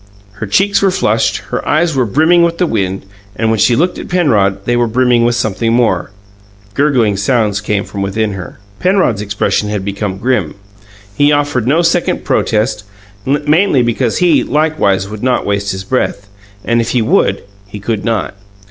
Her cheeks were flushed; her eyes were brimming with the wind, but when she looked at Penrod, they were brimming with something more. Gurgling sounds came from her. Penrod's expression had become grim. He offered no second protest, mainly because he, likewise, would not waste his breath, and if he would, he could not.